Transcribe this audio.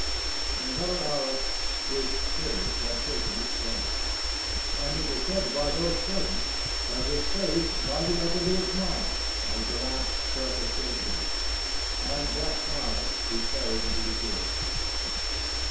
In another hour his spirit had taken its flight; and it was said by those present that his face lighted up into a smile as the last breath escaped him, and that smile he carried into his grave.